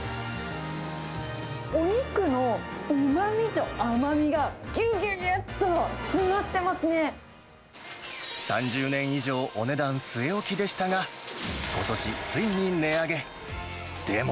お肉のうまみと甘みがぎゅぎ３０年以上、お値段据え置きでしたが、ことし、ついに値上げ。